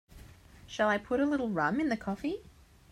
Shall I put a little rum in the coffee?